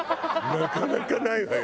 なかなかないわよ